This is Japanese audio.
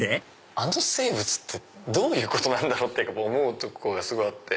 あの生物ってどういうこと？って思うとこがすごいあって。